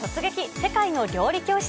世界の料理教室。